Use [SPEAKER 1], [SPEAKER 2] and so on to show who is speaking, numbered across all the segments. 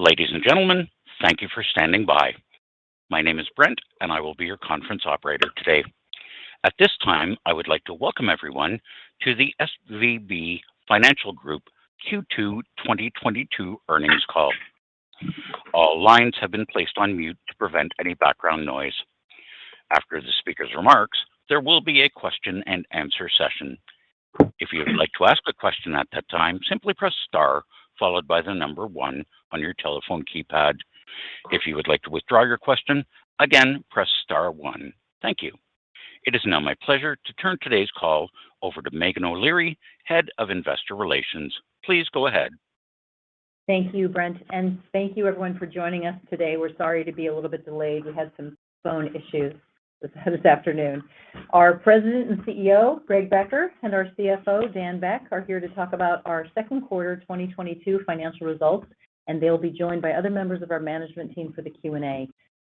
[SPEAKER 1] Ladies and gentlemen, thank you for standing by. My name is Brent, and I will be your conference operator today. At this time, I would like to welcome everyone to the SVB Financial Group Q2 2022 earnings call. All lines have been placed on mute to prevent any background noise. After the speaker's remarks, there will be a question and answer session. If you would like to ask a question at that time, simply press star followed by the number one on your telephone keypad. If you would like to withdraw your question, again, press star one. Thank you. It is now my pleasure to turn today's call over to Meghan O'Leary, Head of Investor Relations. Please go ahead.
[SPEAKER 2] Thank you, Brent, and thank you everyone for joining us today. We're sorry to be a little bit delayed. We had some phone issues this afternoon. Our President and CEO, Greg Becker, and our CFO, Dan Beck, are here to talk about our second quarter 2022 financial results, and they'll be joined by other members of our management team for the Q&A.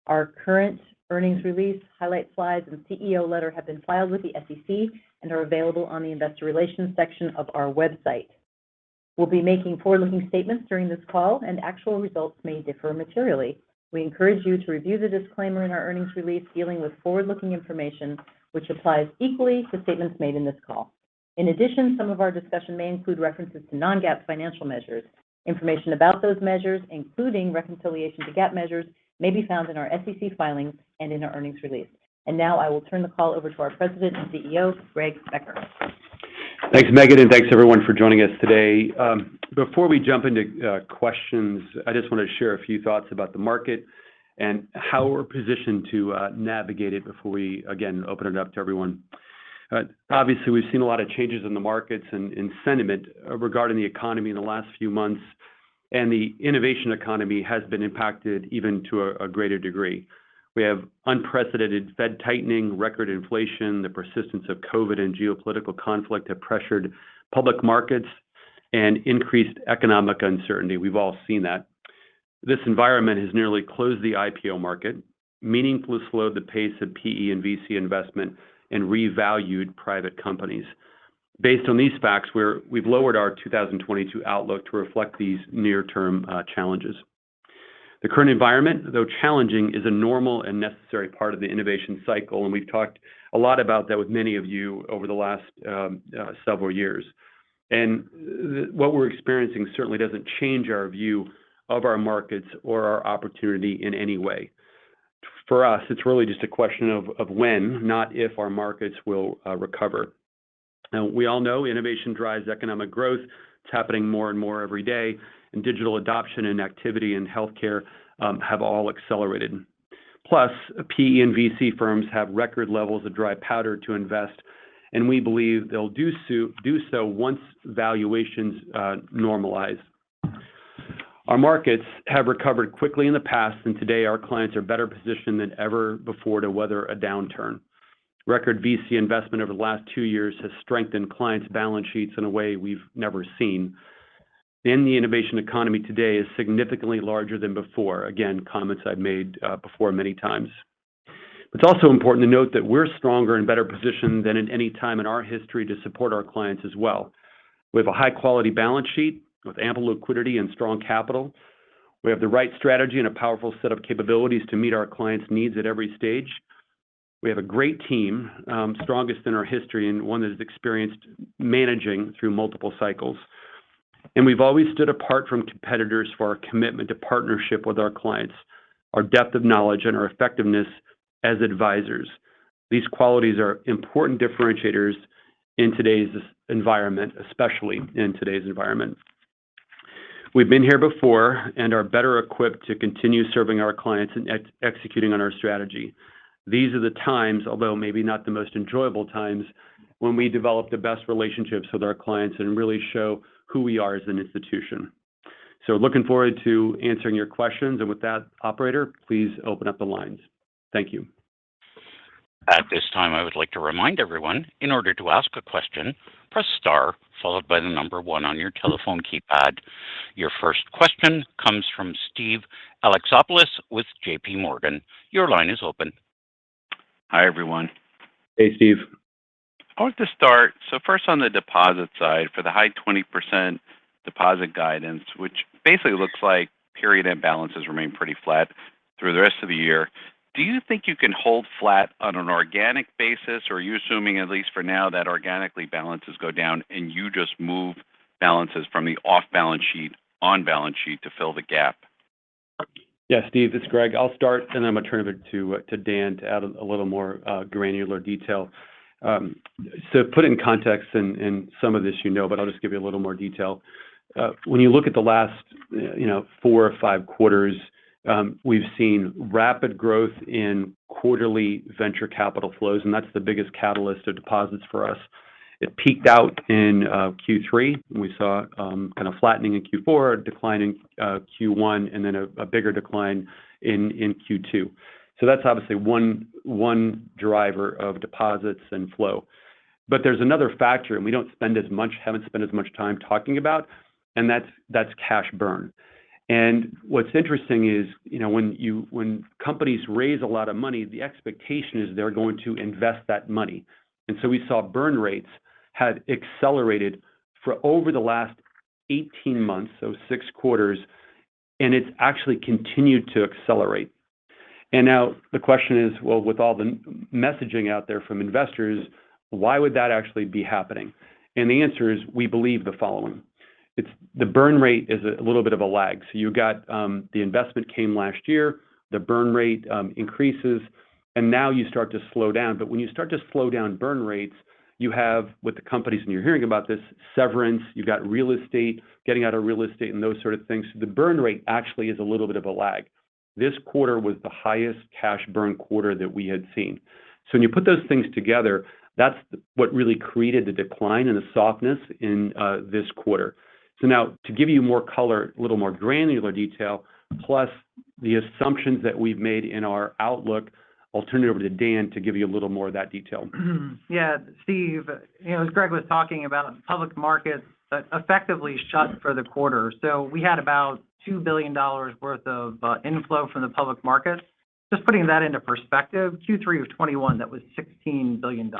[SPEAKER 2] Our current earnings release, highlight slides, and CEO letter have been filed with the SEC and are available on the investor relations section of our website. We'll be making forward-looking statements during this call and actual results may differ materially. We encourage you to review the disclaimer in our earnings release dealing with forward-looking information, which applies equally to statements made in this call. In addition, some of our discussion may include references to non-GAAP financial measures. Information about those measures, including reconciliation to GAAP measures, may be found in our SEC filings and in our earnings release. Now I will turn the call over to our President and CEO, Greg Becker.
[SPEAKER 3] Thanks, Meghan. Thanks everyone for joining us today. Before we jump into questions, I just want to share a few thoughts about the market and how we're positioned to navigate it before we again open it up to everyone. Obviously, we've seen a lot of changes in the markets and sentiment regarding the economy in the last few months, and the innovation economy has been impacted even to a greater degree. We have unprecedented Fed tightening, record inflation, the persistence of COVID and geopolitical conflict have pressured public markets and increased economic uncertainty. We've all seen that. This environment has nearly closed the IPO market, meaningfully slowed the pace of PE and VC investment, and revalued private companies. Based on these facts, we've lowered our 2022 outlook to reflect these near-term challenges. The current environment, though challenging, is a normal and necessary part of the innovation cycle, and we've talked a lot about that with many of you over the last several years. What we're experiencing certainly doesn't change our view of our markets or our opportunity in any way. For us, it's really just a question of when, not if, our markets will recover. Now, we all know innovation drives economic growth. It's happening more and more every day, and digital adoption and activity in healthcare have all accelerated. Plus, PE and VC firms have record levels of dry powder to invest, and we believe they'll do so once valuations normalize. Our markets have recovered quickly in the past, and today our clients are better positioned than ever before to weather a downturn. Record VC investment over the last two years has strengthened clients' balance sheets in a way we've never seen. The innovation economy today is significantly larger than before. Again, comments I've made before many times. It's also important to note that we're stronger and better positioned than at any time in our history to support our clients as well. We have a high quality balance sheet with ample liquidity and strong capital. We have the right strategy and a powerful set of capabilities to meet our clients' needs at every stage. We have a great team, strongest in our history, and one that has experienced managing through multiple cycles. We've always stood apart from competitors for our commitment to partnership with our clients, our depth of knowledge, and our effectiveness as advisors. These qualities are important differentiators in today's environment, especially in today's environment. We've been here before and are better equipped to continue serving our clients and executing on our strategy. These are the times, although maybe not the most enjoyable times, when we develop the best relationships with our clients and really show who we are as an institution. Looking forward to answering your questions. With that, operator, please open up the lines. Thank you.
[SPEAKER 1] At this time, I would like to remind everyone in order to ask a question, press star, followed by the number one on your telephone keypad. Your first question comes from Steven Alexopoulos with JPMorgan. Your line is open.
[SPEAKER 4] Hi, everyone.
[SPEAKER 3] Hey, Steve.
[SPEAKER 4] I want to start, first on the deposit side for the high 20% deposit guidance, which basically looks like period-end balances remain pretty flat through the rest of the year. Do you think you can hold flat on an organic basis, or are you assuming at least for now that organically balances go down and you just move balances from the off-balance-sheet on-balance-sheet to fill the gap?
[SPEAKER 3] Yeah, Steve, it's Greg. I'll start, and then I'm gonna turn it over to Dan to add a little more granular detail. Put it in context and some of this you know, but I'll just give you a little more detail. When you look at the last you know, four or five quarters, we've seen rapid growth in quarterly venture capital flows, and that's the biggest catalyst of deposits for us. It peaked out in Q3. We saw kind of flattening in Q4, a decline in Q1, and then a bigger decline in Q2. That's obviously one driver of deposits and flow. There's another factor, and we haven't spent as much time talking about, and that's cash burn. What's interesting is, you know, when companies raise a lot of money, the expectation is they're going to invest that money. We saw burn rates had accelerated for over the last 18 months, so six quarters, and it's actually continued to accelerate. Now the question is, well, with all the messaging out there from investors, why would that actually be happening? The answer is, we believe the following. It's the burn rate is a little bit of a lag. So you got, the investment came last year, the burn rate, increases, and now you start to slow down. But when you start to slow down burn rates, you have with the companies and you're hearing about this severance, you've got real estate, getting out of real estate and those sort of things. The burn rate actually is a little bit of a lag. This quarter was the highest cash burn quarter that we had seen. When you put those things together, that's what really created the decline and the softness in this quarter. Now to give you more color, a little more granular detail, plus the assumptions that we've made in our outlook, I'll turn it over to Dan to give you a little more of that detail.
[SPEAKER 5] Yeah. Steve, you know, as Greg was talking about public markets effectively shut for the quarter. We had about $2 billion worth of inflow from the public markets. Just putting that into perspective, Q3 of 2021, that was $16 billion.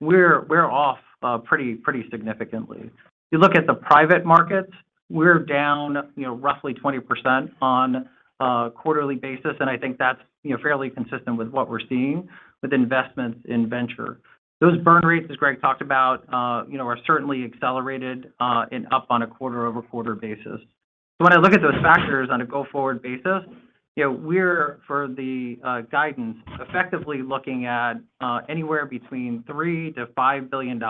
[SPEAKER 5] We're off pretty significantly. You look at the private markets, we're down, you know, roughly 20% on a quarterly basis, and I think that's, you know, fairly consistent with what we're seeing with investments in venture. Those burn rates, as Greg talked about, you know, are certainly accelerated and up on a quarter-over-quarter basis. When I look at those factors on a go-forward basis, you know, we're for the guidance effectively looking at anywhere between $3 billion-$5 billion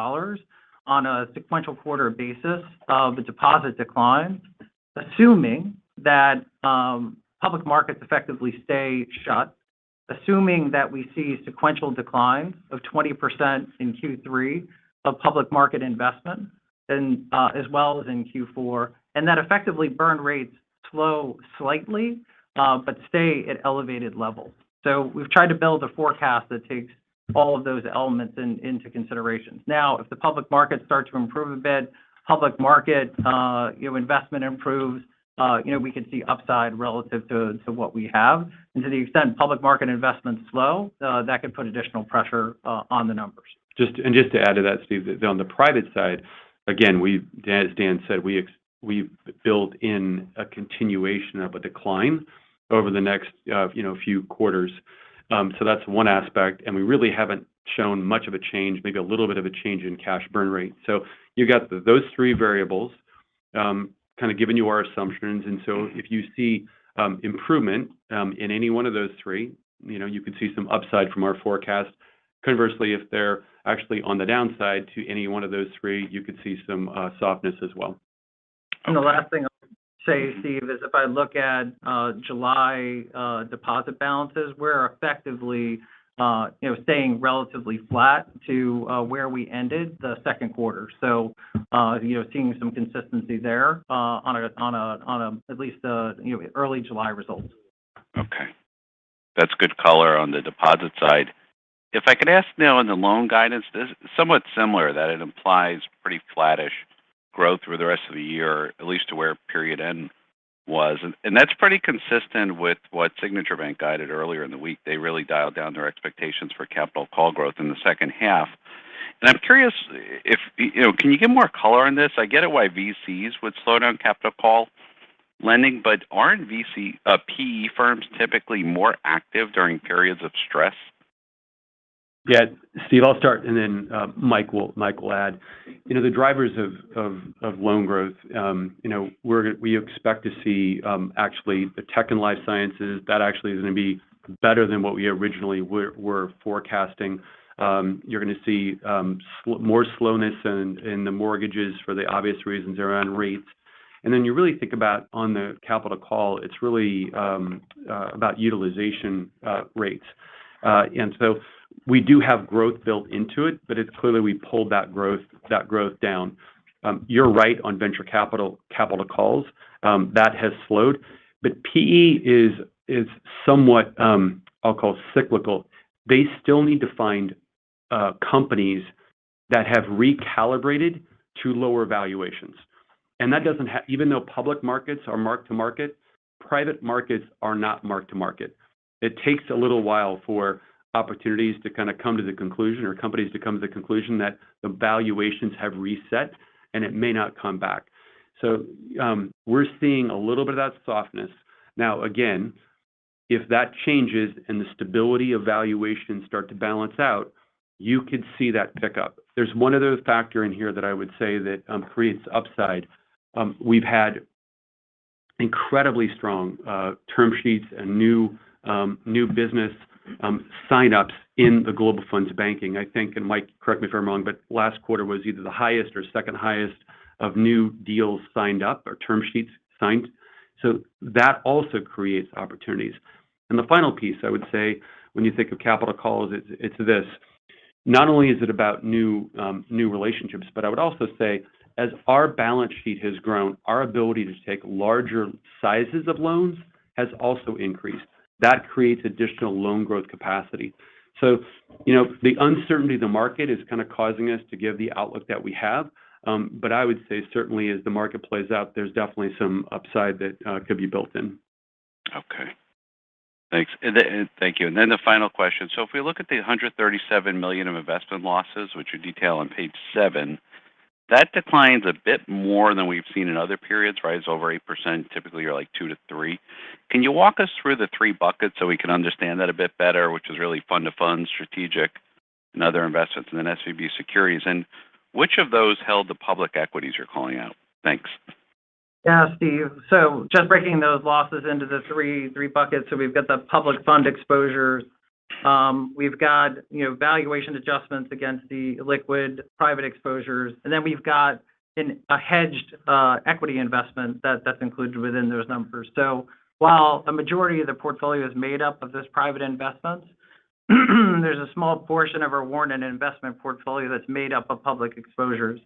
[SPEAKER 5] on a sequential quarter basis of the deposit decline, assuming that public markets effectively stay shut, assuming that we see sequential declines of 20% in Q3 of public market investment and as well as in Q4, and that effectively burn rates slow slightly but stay at elevated levels. We've tried to build a forecast that takes all of those elements into consideration. Now, if the public markets start to improve a bit, public market you know investment improves, you know, we could see upside relative to to what we have. To the extent public market investments slow, that could put additional pressure on the numbers.
[SPEAKER 3] Just to add to that, Steve, on the private side, again, as Dan said, we've built in a continuation of a decline over the next few quarters. So that's one aspect, and we really haven't shown much of a change, maybe a little bit of a change in cash burn rate. So you've got those three variables, kind of giving you our assumptions. If you see improvement in any one of those three, you know, you could see some upside from our forecast. Conversely, if they're actually on the downside to any one of those three, you could see some softness as well.
[SPEAKER 5] The last thing I'll say, Steve, is if I look at July deposit balances, we're effectively, you know, staying relatively flat to where we ended the second quarter. You know, seeing some consistency there on at least a, you know, early July results.
[SPEAKER 4] Okay. That's good color on the deposit side. If I could ask now on the loan guidance, this is somewhat similar that it implies pretty flattish growth through the rest of the year, at least to where period end was. That's pretty consistent with what Signature Bank guided earlier in the week. They really dialed down their expectations for capital call growth in the second half. I'm curious if, you know, can you give more color on this? I get it why VCs would slow down capital call lending, but aren't VC, PE firms typically more active during periods of stress?
[SPEAKER 3] Yeah. Steve, I'll start and then Mike will add. You know, the drivers of loan growth, you know, we expect to see actually the tech and life sciences, that actually is gonna be better than what we originally were forecasting. You're gonna see more slowness in the mortgages for the obvious reasons around rates. Then you really think about on the capital call, it's really about utilization rates. We do have growth built into it, but it's clearly we pulled that growth down. You're right on venture capital calls, that has slowed. PE is somewhat, I'll call cyclical. They still need to find companies that have recalibrated to lower valuations. That doesn't even though public markets are mark to market, private markets are not mark to market. It takes a little while for opportunities to kinda come to the conclusion or companies to come to the conclusion that the valuations have reset, and it may not come back. We're seeing a little bit of that softness. Now, again, if that changes and the stability of valuations start to balance out, you could see that pick up. There's one other factor in here that I would say that creates upside. We've had incredibly strong term sheets and new business sign-ups in the Global Fund Banking. I think, and Mike, correct me if I'm wrong, but last quarter was either the highest or second highest of new deals signed up or term sheets signed. That also creates opportunities. The final piece I would say when you think of capital calls, it's this. Not only is it about new relationships, but I would also say as our balance sheet has grown, our ability to take larger sizes of loans has also increased. That creates additional loan growth capacity. You know, the uncertainty of the market is kinda causing us to give the outlook that we have. But I would say certainly as the market plays out, there's definitely some upside that could be built in.
[SPEAKER 4] Thank you. The final question. If we look at the $137 million of investment losses, which you detail on page seven. That decline's a bit more than we've seen in other periods, right? It's over 8%. Typically you're like 2%-3%. Can you walk us through the three buckets so we can understand that a bit better, which is really fund to fund, strategic and other investments, and then SVB Securities? And which of those held the public equities you're calling out? Thanks.
[SPEAKER 5] Yeah, Steve. Just breaking those losses into the three buckets. We've got the public fund exposures, we've got, you know, valuation adjustments against the liquid private exposures, and then we've got a hedged equity investment that's included within those numbers. While the majority of the portfolio is made up of this private investment, there's a small portion of our warrant and investment portfolio that's made up of public exposures.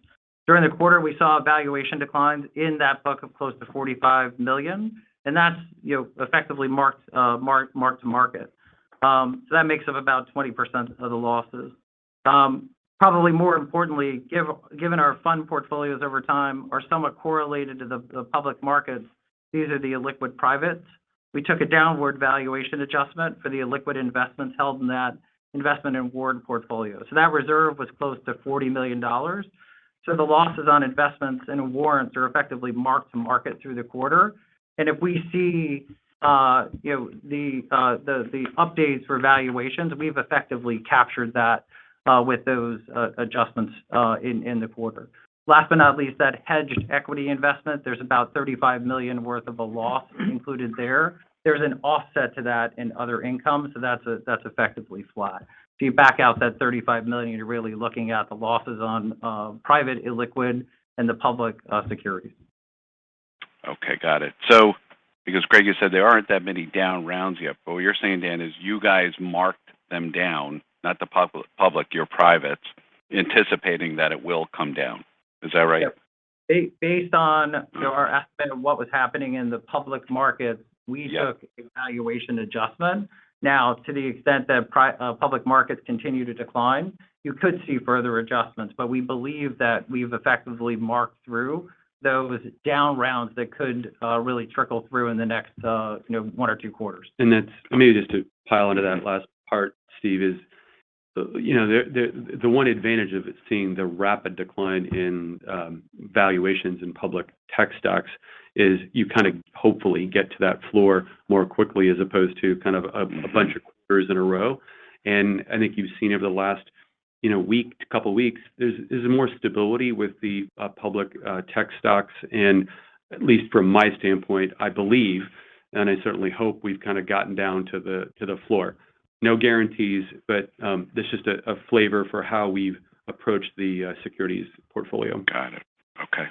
[SPEAKER 5] During the quarter, we saw valuation declines in that bucket of close to $45 million, and that's, you know, effectively marked to market. That makes up about 20% of the losses. Probably more importantly, given our fund portfolios over time are somewhat correlated to the public markets, these are the illiquid privates. We took a downward valuation adjustment for the illiquid investments held in that investment and warrant portfolio. That reserve was close to $40 million. The losses on investments and warrants are effectively marked to market through the quarter. If we see, you know, the updates for valuations, we've effectively captured that with those adjustments in the quarter. Last but not least, that hedged equity investment, there's about $35 million worth of a loss included there. There's an offset to that in other income, so that's effectively flat. If you back out that $35 million, you're really looking at the losses on private illiquid and the public securities.
[SPEAKER 4] Okay. Got it. Because Greg, you said there aren't that many down rounds yet. What you're saying, Dan, is you guys marked them down, not the public, your privates, anticipating that it will come down. Is that right?
[SPEAKER 5] Yep. Based on, you know, our estimate of what was happening in the public market.
[SPEAKER 4] Yeah
[SPEAKER 5] We took a valuation adjustment. Now to the extent that public markets continue to decline, you could see further adjustments. We believe that we've effectively marked through those down rounds that could really trickle through in the next, you know, one or two quarters.
[SPEAKER 3] That's. Maybe just to pile onto that last part, Steve, you know, the one advantage of it seeing the rapid decline in valuations in public tech stocks is you kind of hopefully get to that floor more quickly as opposed to kind of a bunch of quarters in a row. I think you've seen over the last, you know, week to couple weeks, there's more stability with the public tech stocks. At least from my standpoint, I believe, and I certainly hope we've kind of gotten down to the floor. No guarantees, but this is just a flavor for how we've approached the securities portfolio.
[SPEAKER 4] Got it. Okay.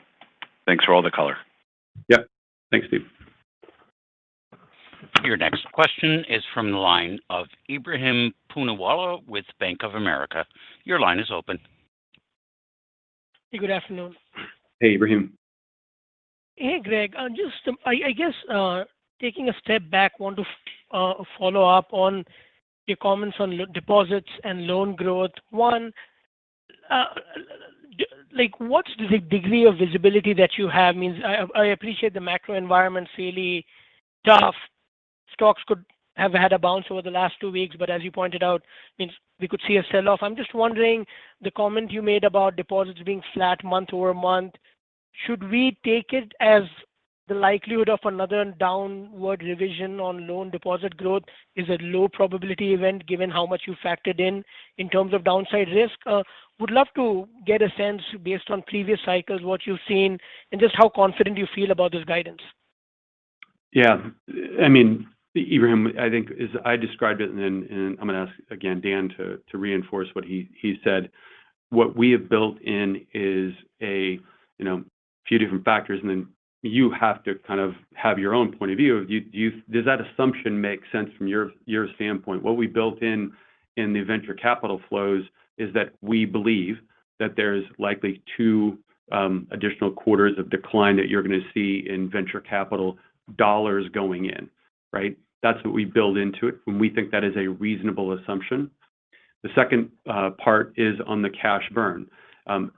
[SPEAKER 4] Thanks for all the color.
[SPEAKER 3] Yeah. Thanks, Steve.
[SPEAKER 1] Your next question is from the line of Ebrahim Poonawala with Bank of America. Your line is open.
[SPEAKER 6] Hey, good afternoon.
[SPEAKER 3] Hey, Ebrahim.
[SPEAKER 6] Hey, Greg. I'm just taking a step back, I guess, want to follow up on your comments on deposits and loan growth. One, like, what's the degree of visibility that you have? I mean, I appreciate the macro environment's really tough. Stocks could have had a bounce over the last two weeks, but as you pointed out, we could see a sell-off. I'm just wondering, the comment you made about deposits being flat month-over-month, should we take it as the likelihood of another downward revision on loan and deposit growth is a low probability event given how much you factored in in terms of downside risk? Would love to get a sense based on previous cycles, what you've seen and just how confident you feel about this guidance.
[SPEAKER 3] Yeah. I mean, Ebrahim, I think as I described it, and I'm gonna ask again Dan to reinforce what he said. What we have built in is a, you know, few different factors, and then you have to kind of have your own point of view. Does that assumption make sense from your standpoint? What we built in the venture capital flows is that we believe that there's likely two additional quarters of decline that you're gonna see in venture capital dollars going in, right? That's what we build into it, and we think that is a reasonable assumption. The second part is on the cash burn.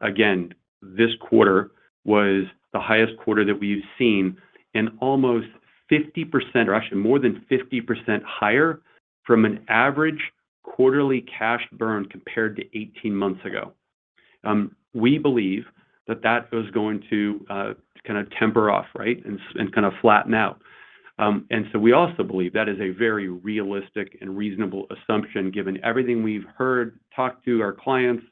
[SPEAKER 3] Again, this quarter was the highest quarter that we've seen, and almost 50%, or actually more than 50% higher from an average quarterly cash burn compared to 18 months ago. We believe that is going to kind of temper off, right? Kind of flatten out. We also believe that is a very realistic and reasonable assumption given everything we've heard, talked to our clients,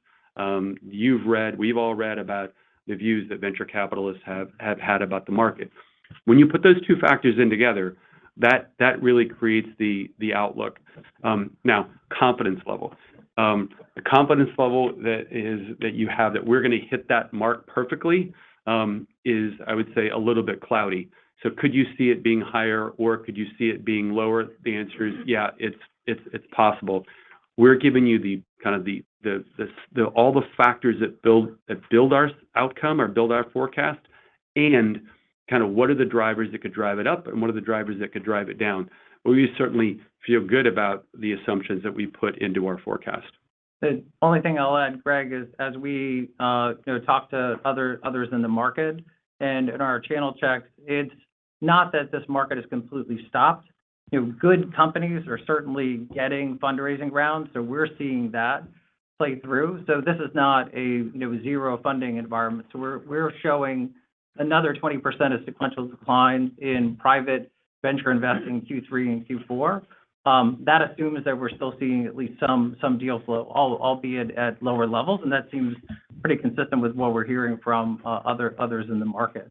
[SPEAKER 3] you've read, we've all read about the views that venture capitalists have had about the market. When you put those two factors in together, that really creates the outlook. Now confidence level. The confidence level that you have that we're gonna hit that mark perfectly is I would say a little bit cloudy. Could you see it being higher or could you see it being lower? The answer is yeah, it's possible. We're giving you the kind of all the factors that build our outcome or build our forecast, and kind of what are the drivers that could drive it up, and what are the drivers that could drive it down. We certainly feel good about the assumptions that we put into our forecast.
[SPEAKER 5] The only thing I'll add, Greg, is as we, you know, talk to others in the market and in our channel checks, it's not that this market has completely stopped. You know, good companies are certainly getting fundraising rounds, so we're seeing that play through. This is not a, you know, zero funding environment. We're showing another 20% of sequential decline in private venture investing in Q3 and Q4. That assumes that we're still seeing at least some deal flow, albeit at lower levels, and that seems pretty consistent with what we're hearing from others in the market.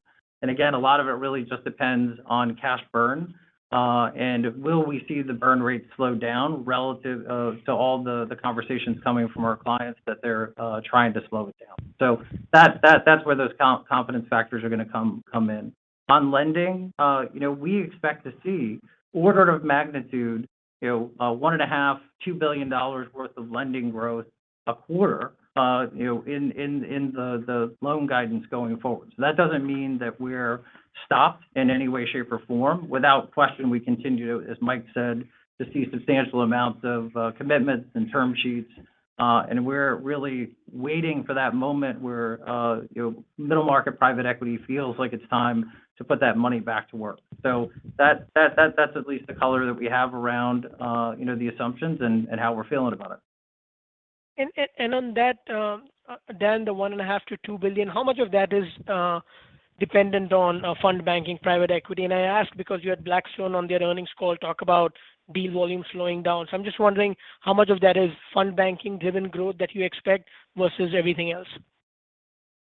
[SPEAKER 5] Again, a lot of it really just depends on cash burn, and will we see the burn rates slow down relative to all the conversations coming from our clients that they're trying to slow it down. That's where those confidence factors are gonna come in. On lending, you know, we expect to see order of magnitude, you know, $1.5 billion-$2 billion worth of lending growth a quarter, you know, in the loan guidance going forward. That doesn't mean that we're stopped in any way, shape, or form. Without question, we continue, as Mike said, to see substantial amounts of commitments and term sheets. And we're really waiting for that moment where you know, middle market private equity feels like it's time to put that money back to work. That's at least the color that we have around you know, the assumptions and how we're feeling about it.
[SPEAKER 6] On that, Dan, the $1.5-$2 billion, how much of that is dependent on fund banking private equity? I ask because you had Blackstone on their earnings call talk about deal volume slowing down. I'm just wondering how much of that is fund banking driven growth that you expect versus everything else?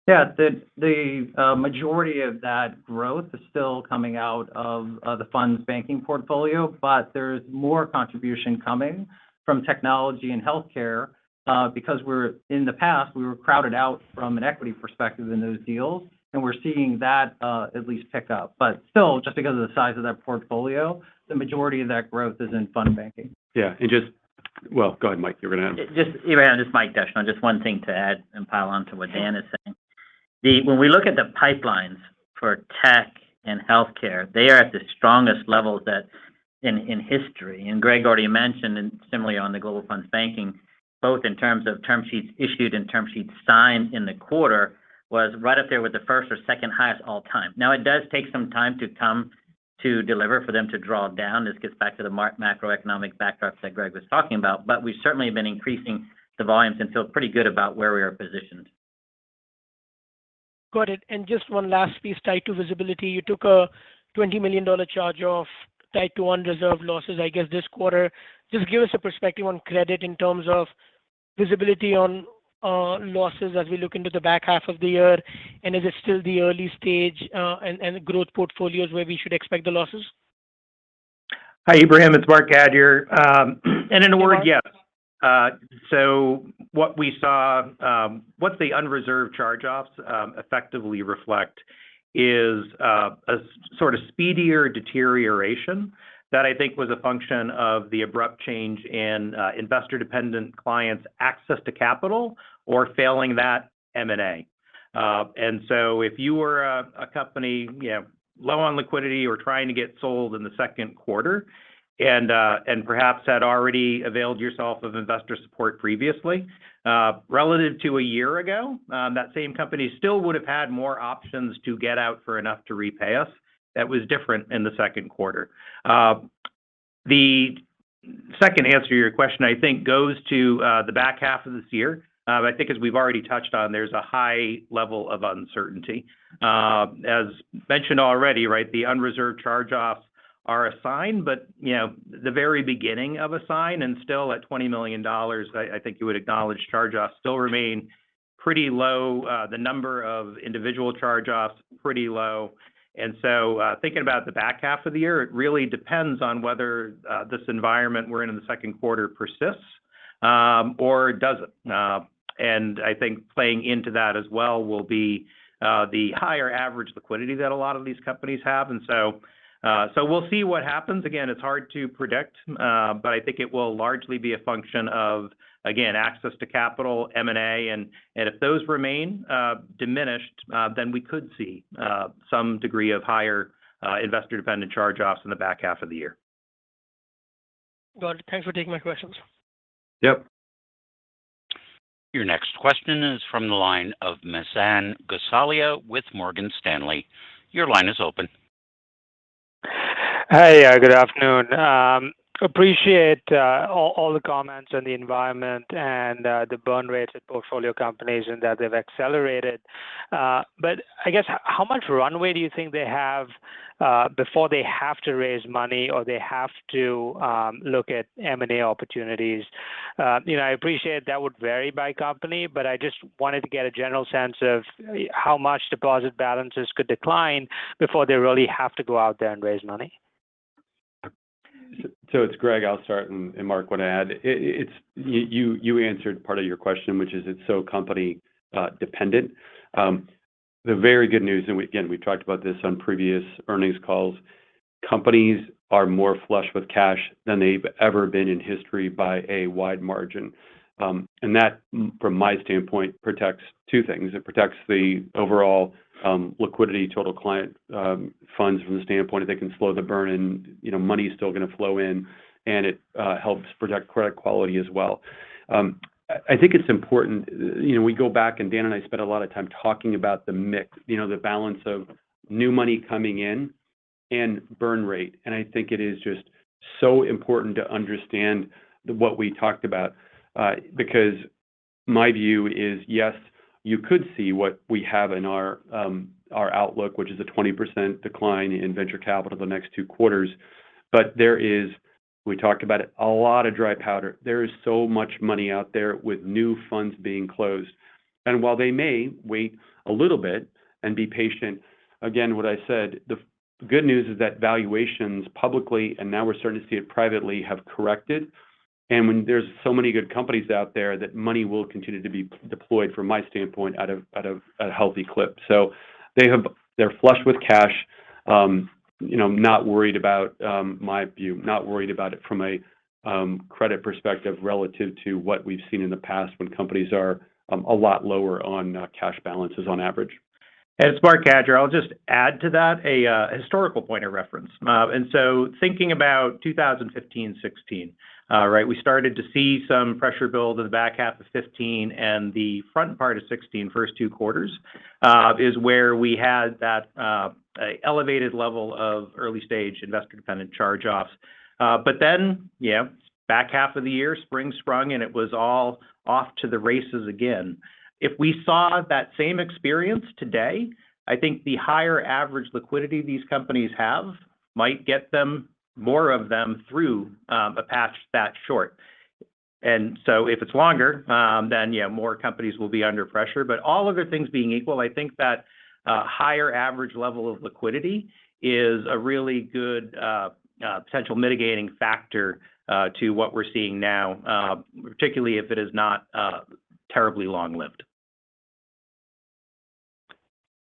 [SPEAKER 5] Yeah. The majority of that growth is still coming out of the funds banking portfolio, but there's more contribution coming from technology and healthcare, because in the past, we were crowded out from an equity perspective in those deals, and we're seeing that at least pick up. But still, just because of the size of that portfolio, the majority of that growth is in fund banking.
[SPEAKER 3] Yeah. Well, go ahead, Mike. You were gonna-
[SPEAKER 7] Ebrahim it's, Michael Descheneaux. One thing to add and pile on to what Dan is saying. When we look at the pipelines for tech and healthcare, they are at the strongest levels in history. Greg already mentioned, and similarly on the Global Fund Banking, both in terms of term sheets issued and term sheets signed in the quarter was right up there with the first or second highest all time. It does take some time to close for them to draw down. This gets back to the macroeconomic backdrop that Greg was talking about. We've certainly been increasing the volumes and feel pretty good about where we are positioned.
[SPEAKER 6] Got it. Just one last piece tied to visibility. You took a $20 million charge off tied to unreserved losses, I guess, this quarter. Just give us a perspective on credit in terms of visibility on losses as we look into the back half of the year. Is it still the early stage and growth portfolios where we should expect the losses?
[SPEAKER 8] Hi, Ebrahim. It's Marc Cadieux here. In a word, yes. What we saw, what the unreserved charge-offs effectively reflect, is a sort of speedier deterioration that I think was a function of the abrupt change in investor-dependent clients' access to capital, or failing that, M&A. If you were a company, you know, low on liquidity or trying to get sold in the second quarter and perhaps had already availed yourself of investor support previously, relative to a year ago, that same company still would have had more options to get out for enough to repay us. That was different in the second quarter. The second answer to your question, I think, goes to the back half of this year. I think as we've already touched on, there's a high level of uncertainty. As mentioned already, right, the unreserved charge-offs are a sign, but, you know, the very beginning of a sign and still at $20 million, I think you would acknowledge charge-offs still remain pretty low. The number of individual charge-offs, pretty low. Thinking about the back half of the year, it really depends on whether this environment we're in in the second quarter persists, or it doesn't. I think playing into that as well will be the higher average liquidity that a lot of these companies have. So we'll see what happens. Again, it's hard to predict, but I think it will largely be a function of, again, access to capital, M&A, and if those remain diminished, then we could see some degree of higher investor-dependent charge-offs in the back half of the year.
[SPEAKER 6] Got it. Thanks for taking my questions.
[SPEAKER 8] Yep.
[SPEAKER 1] Your next question is from the line of Manan Gosalia with Morgan Stanley. Your line is open.
[SPEAKER 9] Hey. Good afternoon. Appreciate all the comments on the environment and the burn rates at portfolio companies and that they've accelerated. I guess how much runway do you think they have before they have to raise money or they have to look at M&A opportunities? You know, I appreciate that would vary by company, but I just wanted to get a general sense of how much deposit balances could decline before they really have to go out there and raise money.
[SPEAKER 3] It's Greg. I'll start, and Marc wants to add. You answered part of your question, which is it's so company dependent. The very good news, again, we've talked about this on previous earnings calls, companies are more flush with cash than they've ever been in history by a wide margin, and that from my standpoint protects two things. It protects the overall liquidity total client funds from the standpoint that they can slow the burn and, you know, money is still gonna flow in, and it helps protect credit quality as well. I think it's important, you know, we go back and Dan and I spent a lot of time talking about the mix, you know, the balance of new money coming in and burn rate. I think it is just so important to understand what we talked about, because my view is yes, you could see what we have in our outlook, which is a 20% decline in venture capital the next two quarters. There is, we talked about it, a lot of dry powder. There is so much money out there with new funds being closed. While they may wait a little bit and be patient, again, what I said, the good news is that valuations publicly, and now we're starting to see it privately, have corrected. When there's so many good companies out there that money will continue to be deployed from my standpoint out of a healthy clip. They're flush with cash, you know, not worried about my view, not worried about it from a credit perspective relative to what we've seen in the past when companies are a lot lower on cash balances on average.
[SPEAKER 8] It's Marc Cadieux. I'll just add to that a historical point of reference. Thinking about 2015, 2016, right? We started to see some pressure build in the back half of 2015 and the front part of 2016, first two quarters is where we had that elevated level of early-stage investor-dependent charge-offs. Yeah, back half of the year, spring sprung, and it was all off to the races again. If we saw that same experience today, I think the higher average liquidity these companies have might get them, more of them through a patch that short. If it's longer, then yeah, more companies will be under pressure. All other things being equal, I think that a higher average level of liquidity is a really good potential mitigating factor to what we're seeing now, particularly if it is not terribly long-lived.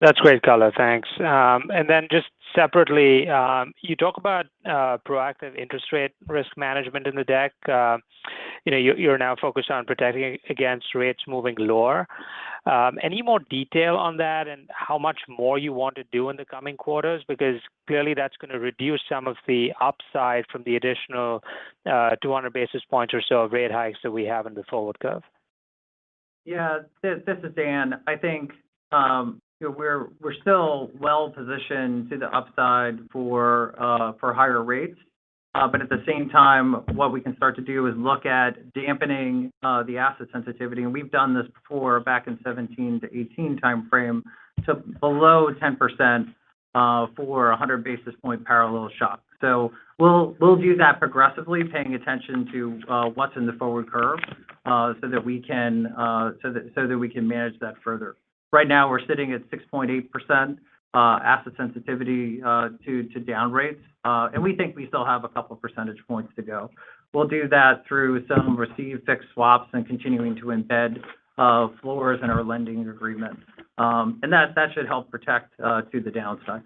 [SPEAKER 9] That's great, Marc Cadieux. Thanks. Just separately, you talk about proactive interest rate risk management in the deck. You know, you're now focused on protecting against rates moving lower. Any more detail on that and how much more you want to do in the coming quarters? Because clearly that's going to reduce some of the upside from the additional 200 basis points or so rate hikes that we have in the forward curve.
[SPEAKER 5] Yeah, this is Dan. I think, you know, we're still well-positioned to the upside for higher rates. At the same time, what we can start to do is look at dampening the asset sensitivity. We've done this before back in 2017-2018 time frame to below 10% for 100 basis points parallel shock. We'll do that progressively, paying attention to what's in the forward curve, so that we can manage that further. Right now, we're sitting at 6.8% asset sensitivity to down rates, and we think we still have a couple percentage points to go. We'll do that through some receive-fixed swaps and continuing to embed floors in our lending agreement. That should help protect to the downside.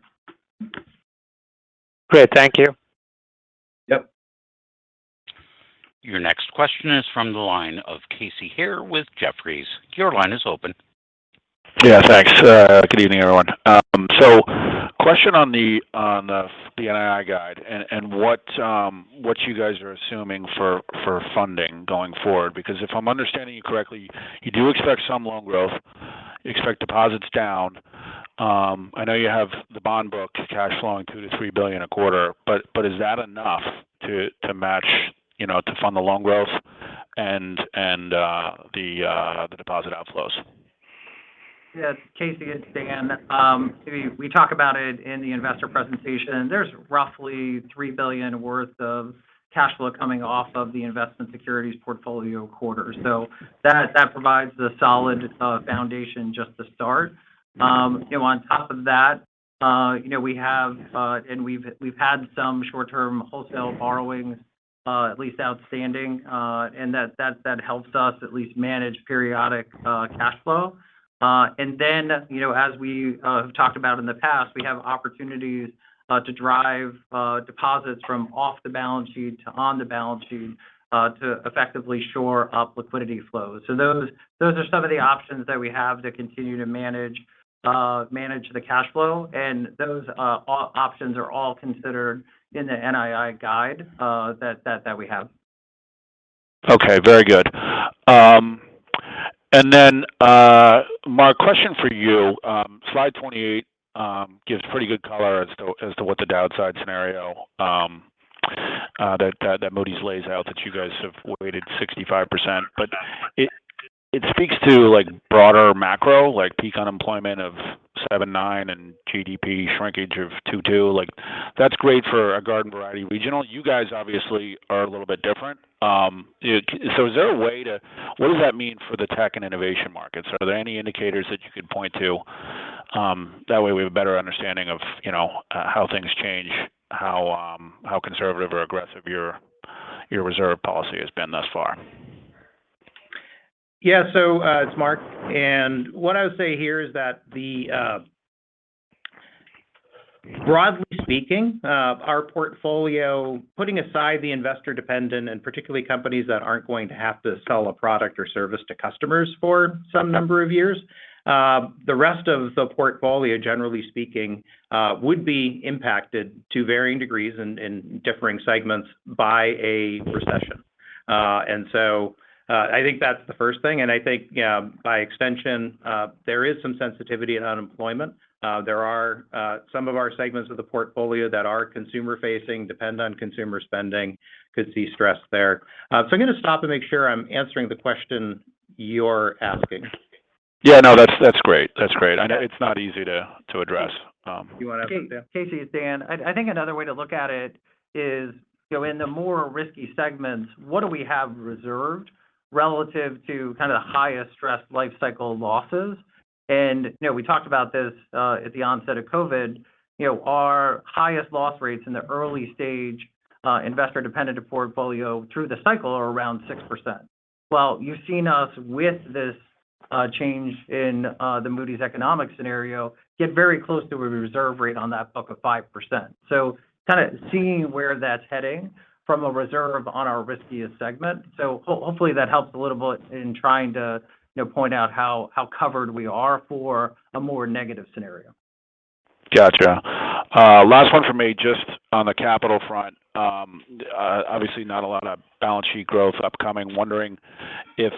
[SPEAKER 9] Great. Thank you.
[SPEAKER 5] Yep.
[SPEAKER 1] Your next question is from the line of Casey Haire with Jefferies. Your line is open.
[SPEAKER 10] Yeah, thanks. Good evening, everyone. Question on the NII guide and what you guys are assuming for funding going forward, because if I'm understanding you correctly, you do expect some loan growth, expect deposits down. I know you have the bond book cash flowing $2-$3 billion a quarter, but is that enough to match, you know, to fund the loan growth and the deposit outflows?
[SPEAKER 5] Yes. Casey, it's Dan. We talk about it in the investor presentation. There's roughly $3 billion worth of cash flow coming off of the investment securities portfolio quarter. That provides the solid foundation just to start. You know, on top of that, you know, we have and we've had some short-term wholesale borrowings at least outstanding, and that helps us at least manage periodic cash flow. You know, as we have talked about in the past, we have opportunities to drive deposits from off the balance sheet to on the balance sheet to effectively shore up liquidity flows. Those are some of the options that we have to continue to manage the cash flow. Those options are all considered in the NII guide that we have.
[SPEAKER 10] Okay. Very good. Marc, question for you. Slide 28 gives pretty good color as to what the downside scenario that Moody's lays out that you guys have weighted 65%. It speaks to like broader macro, like peak unemployment of 7.9% and GDP shrinkage of 2.2%. Like, that's great for a garden variety regional. You guys obviously are a little bit different. What does that mean for the tech and innovation markets? Are there any indicators that you could point to? That way we have a better understanding of, you know, how things change, how conservative or aggressive your reserve policy has been thus far.
[SPEAKER 8] Yeah. It's Marc. What I would say here is that, broadly speaking, our portfolio, putting aside the investor dependent, and particularly companies that aren't going to have to sell a product or service to customers for some number of years, the rest of the portfolio, generally speaking, would be impacted to varying degrees in differing segments by a recession.
[SPEAKER 7] I think that's the first thing. I think by extension there is some sensitivity in unemployment. There are some of our segments of the portfolio that are consumer-facing, depend on consumer spending, could see stress there. I'm gonna stop and make sure I'm answering the question you're asking.
[SPEAKER 10] Yeah, no, that's great. That's great. I know it's not easy to address.
[SPEAKER 7] You want to-
[SPEAKER 5] Casey, it's Dan. I think another way to look at it is, you know, in the more risky segments, what do we have reserved relative to kind of the highest stress life cycle losses? You know, we talked about this at the onset of COVID. You know, our highest loss rates in the early stage investor dependent portfolio through the cycle are around 6%. Well, you've seen us with this change in the Moody's economic scenario get very close to a reserve rate on that book of 5%. Kind of seeing where that's heading from a reserve on our riskiest segment. Hopefully that helps a little bit in trying to, you know, point out how covered we are for a more negative scenario.
[SPEAKER 10] Gotcha. Last one from me, just on the capital front. Obviously not a lot of balance sheet growth upcoming. Wondering if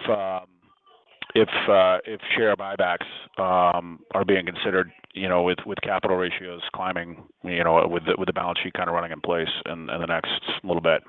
[SPEAKER 10] share buybacks are being considered, you know, with capital ratios climbing, you know, with the balance sheet kind of running in place in the next little bit.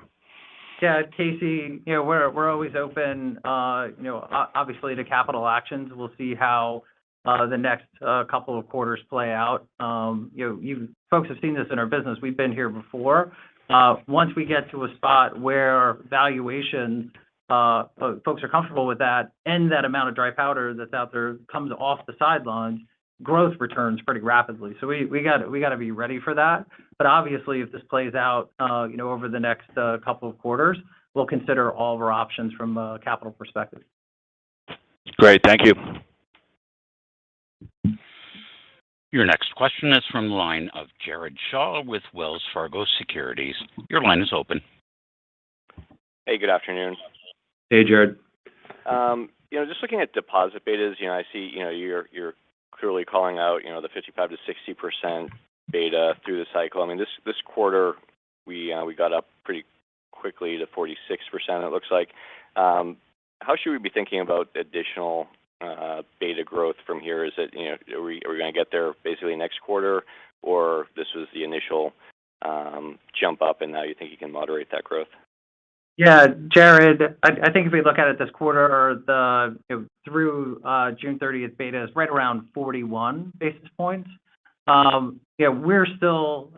[SPEAKER 5] Yeah, Casey, you know, we're always open, you know, obviously to capital actions. We'll see how the next couple of quarters play out. You know, you folks have seen this in our business. We've been here before. Once we get to a spot where valuation folks are comfortable with that, and that amount of dry powder that's out there comes off the sidelines, growth returns pretty rapidly. We gotta be ready for that. But obviously if this plays out, you know, over the next couple of quarters, we'll consider all of our options from a capital perspective.
[SPEAKER 10] Great. Thank you.
[SPEAKER 1] Your next question is from the line of Jared Shaw with Wells Fargo Securities. Your line is open.
[SPEAKER 11] Hey, good afternoon.
[SPEAKER 7] Hey, Jared.
[SPEAKER 11] You know, just looking at deposit betas, you know, I see, you know, you're clearly calling out, you know, the 55-60% beta through the cycle. I mean, this quarter, we got up pretty quickly to 46%, it looks like. How should we be thinking about additional beta growth from here? Is it, you know, are we gonna get there basically next quarter, or this was the initial jump up and now you think you can moderate that growth?
[SPEAKER 5] Yeah, Jared, I think if we look at it this quarter, the through June 30 beta is right around 41 basis points. You know, we're still,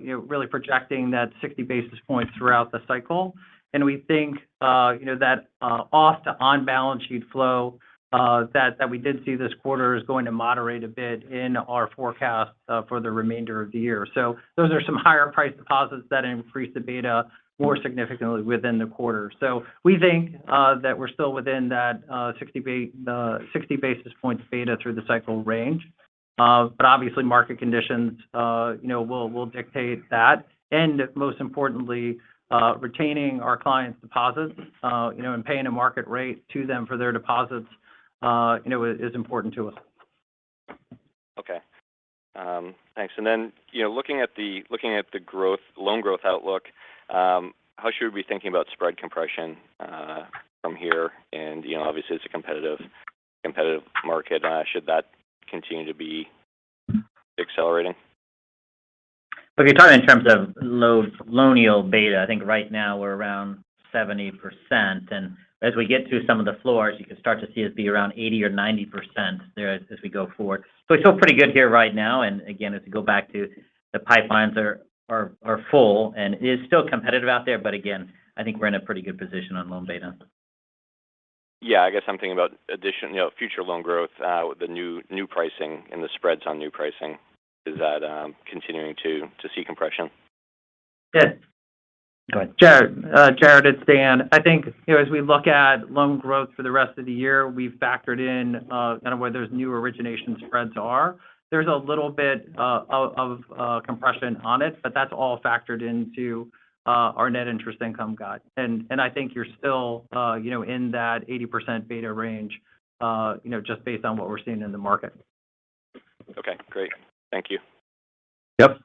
[SPEAKER 5] you know, really projecting that 60 basis points throughout the cycle, and we think, you know, that off-balance-sheet to on-balance-sheet flow that we did see this quarter is going to moderate a bit in our forecast for the remainder of the year. So those are some higher priced deposits that increase the beta more significantly within the quarter. So we think that we're still within that 60 basis points beta through the cycle range. But obviously market conditions, you know, will dictate that. Most importantly, retaining our clients' deposits, you know, and paying a market rate to them for their deposits, you know, is important to us.
[SPEAKER 11] Okay. Thanks. You know, looking at the growth, loan growth outlook, how should we be thinking about spread compression, from here? You know, obviously it's a competitive market. Should that continue to be accelerating?
[SPEAKER 7] If you're talking in terms of loan beta, I think right now we're around 70%. As we get through some of the floors, you can start to see us be around 80% or 90% there as we go forward. We feel pretty good here right now. Again, as we go back to the pipelines are full and it is still competitive out there. Again, I think we're in a pretty good position on loan beta.
[SPEAKER 11] Yeah, I guess I'm thinking about, in addition, you know, future loan growth with the new pricing and the spreads on new pricing. Is that continuing to see compression?
[SPEAKER 5] Yeah.
[SPEAKER 7] Go ahead.
[SPEAKER 5] Jared, it's Dan. I think, you know, as we look at loan growth for the rest of the year, we've factored in, kind of where those new origination spreads are. There's a little bit of compression on it, but that's all factored into our net interest income guide. I think you're still, you know, in that 80% beta range, you know, just based on what we're seeing in the market.
[SPEAKER 11] Okay, great. Thank you.
[SPEAKER 7] Yep.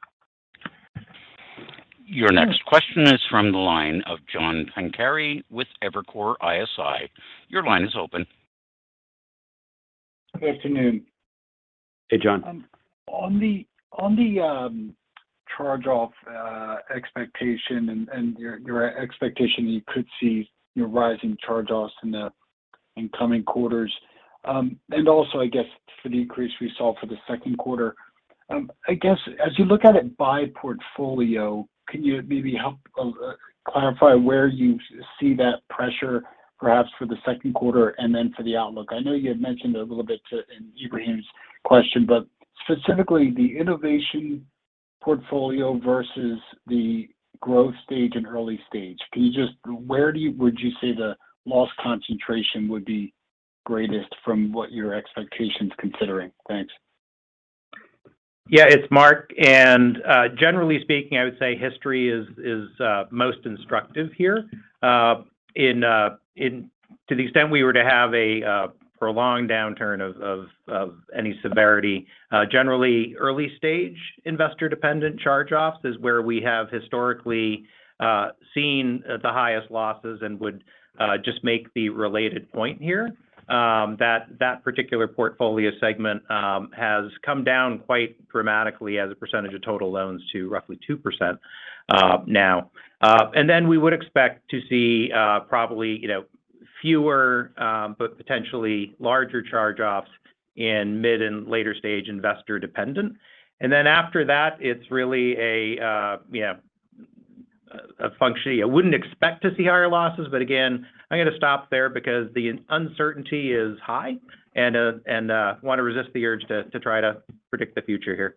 [SPEAKER 1] Your next question is from the line of John Pancari with Evercore ISI. Your line is open.
[SPEAKER 12] Good afternoon.
[SPEAKER 7] Hey, John.
[SPEAKER 12] On the charge-off expectation and your expectation you could see, you know, rising charge-offs in the incoming quarters. Also, I guess for the increase we saw for the second quarter. I guess as you look at it by portfolio, can you maybe help clarify where you see that pressure perhaps for the second quarter and then for the outlook? I know you had mentioned a little bit in Ebrahim's question, but specifically the innovation portfolio versus the growth stage and early stage. Would you say the loss concentration would be greatest from what your expectations considering? Thanks.
[SPEAKER 8] Yeah, it's Marc. Generally speaking, I would say history is most instructive here. To the extent we were to have a prolonged downturn of any severity, generally early stage investor dependent charge-offs is where we have historically seen the highest losses and would just make the related point here that that particular portfolio segment has come down quite dramatically as a percentage of total loans to roughly 2% now. Then we would expect to see probably you know fewer but potentially larger charge-offs in mid and later stage investor dependent. Then after that, it's really a you know a function. I wouldn't expect to see higher losses, but again, I'm gonna stop there because the uncertainty is high and want to resist the urge to try to predict the future here.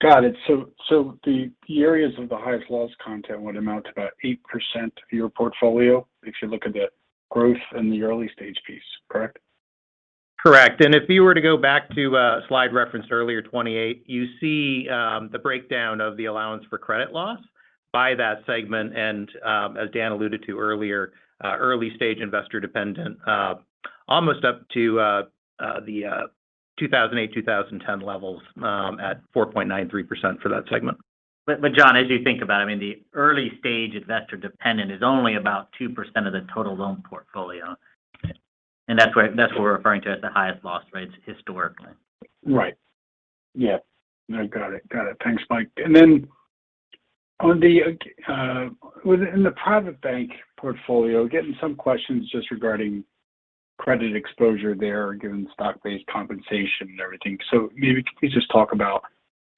[SPEAKER 12] Got it. The areas of the highest loss content would amount to about 8% of your portfolio if you look at the growth in the early stage piece, correct?
[SPEAKER 8] Correct. If you were to go back to slide referenced earlier, 28, you see the breakdown of the allowance for credit loss by that segment. As Dan alluded to earlier, early stage investor dependent almost up to the 2008, 2010 levels at 4.93% for that segment. John, as you think about it, I mean, the early stage investor dependent is only about 2% of the total loan portfolio. That's what we're referring to as the highest loss rates historically.
[SPEAKER 12] Right. Yeah. No, got it. Got it. Thanks, Mike. Within the private bank portfolio, getting some questions just regarding credit exposure there, given stock-based compensation and everything. Maybe can you just talk about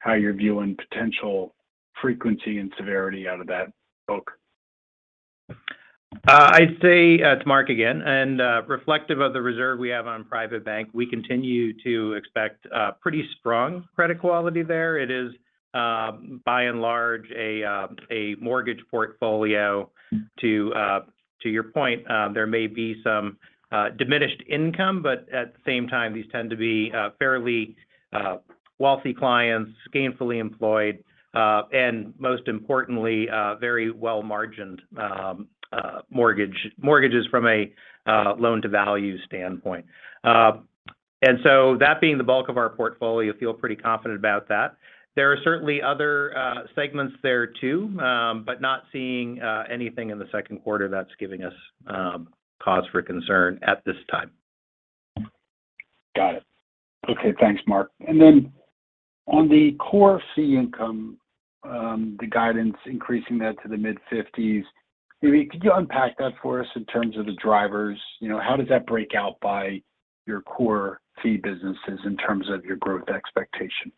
[SPEAKER 12] how you're viewing potential frequency and severity out of that book?
[SPEAKER 8] I'd say, it's Marc again, and reflective of the reserve we have on private bank, we continue to expect a pretty strong credit quality there. It is by and large a mortgage portfolio. To your point, there may be some diminished income, but at the same time, these tend to be fairly wealthy clients, gainfully employed, and most importantly, very well margined mortgages from a loan-to-value standpoint. That being the bulk of our portfolio, feel pretty confident about that. There are certainly other segments there too, but not seeing anything in the second quarter that's giving us cause for concern at this time.
[SPEAKER 12] Got it. Okay, thanks Marc. On the core fee income, the guidance increasing that to the mid-50s, maybe could you unpack that for us in terms of the drivers? You know, how does that break out by your core fee businesses in terms of your growth expectation?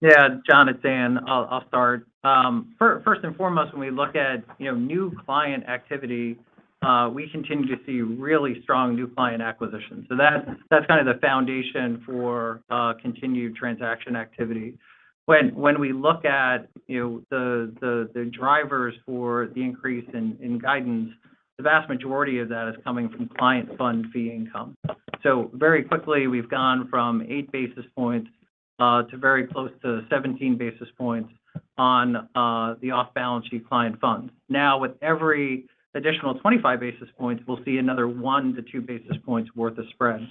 [SPEAKER 5] Yeah, John, it's Dan. I'll start. First and foremost, when we look at, you know, new client activity, we continue to see really strong new client acquisition. That's kind of the foundation for continued transaction activity. When we look at, you know, the drivers for the increase in guidance, the vast majority of that is coming from client fund fee income. Very quickly we've gone from eight basis points to very close to 17 basis points on the off-balance sheet client funds. Now, with every additional 25 basis points, we'll see another one to two basis points worth of spread.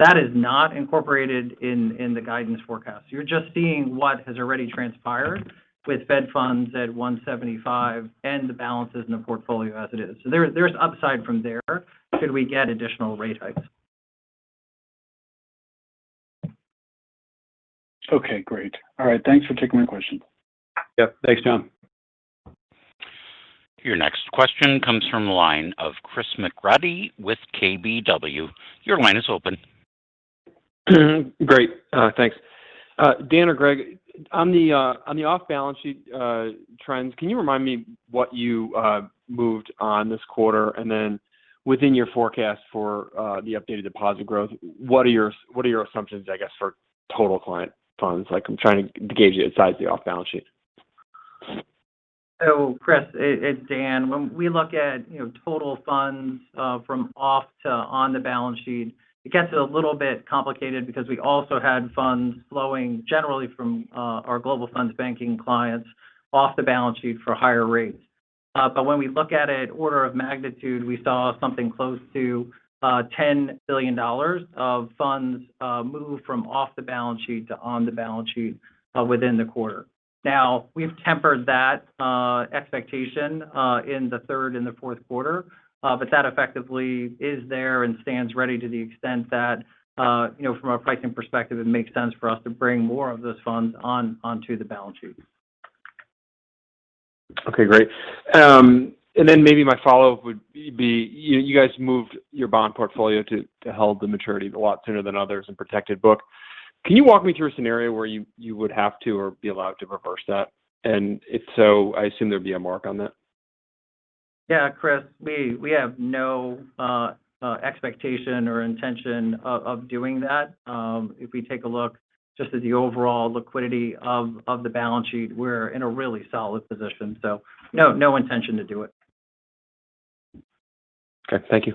[SPEAKER 5] That is not incorporated in the guidance forecast. You're just seeing what has already transpired with Fed funds at 175 and the balances in the portfolio as it is. There's upside from there, should we get additional rate hikes.
[SPEAKER 12] Okay, great. All right. Thanks for taking my question.
[SPEAKER 8] Yep. Thanks, John.
[SPEAKER 1] Your next question comes from the line of Chris McGratty with KBW. Your line is open.
[SPEAKER 13] Great, thanks. Dan or Greg, on the off-balance sheet trends, can you remind me what you moved on this quarter? Within your forecast for the updated deposit growth, what are your assumptions, I guess, for total client funds? Like I'm trying to gauge the size of the off-balance sheet.
[SPEAKER 5] Chris, it's Dan. When we look at you know, total funds from off to on the balance sheet, it gets a little bit complicated because we also had funds flowing generally from our Global Fund Banking clients off the balance sheet for higher rates. When we look at it order of magnitude, we saw something close to $10 billion of funds move from off the balance sheet to on the balance sheet within the quarter. We've tempered that expectation in the third and the fourth quarter. That effectively is there and stands ready to the extent that you know, from a pricing perspective, it makes sense for us to bring more of those funds onto the balance sheet.
[SPEAKER 13] Okay, great. Maybe my follow-up would be, you guys moved your bond portfolio to held-to-maturity a lot sooner than others and protected book. Can you walk me through a scenario where you would have to or be allowed to reverse that? And if so, I assume there'd be a mark on that.
[SPEAKER 5] Yeah, Chris, we have no expectation or intention of doing that. If we take a look just at the overall liquidity of the balance sheet, we're in a really solid position, so no intention to do it.
[SPEAKER 13] Okay. Thank you.